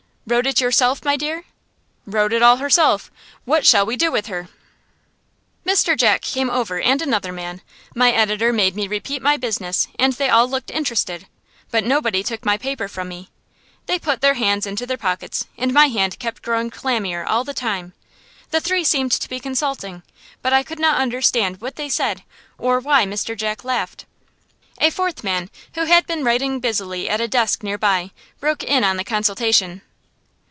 Wrote it yourself, my dear? Wrote it all herself. What shall we do with her?" Mr. Jack came over, and another man. My editor made me repeat my business, and they all looked interested, but nobody took my paper from me. They put their hands into their pockets, and my hand kept growing clammier all the time. The three seemed to be consulting, but I could not understand what they said, or why Mr. Jack laughed. A fourth man, who had been writing busily at a desk near by, broke in on the consultation.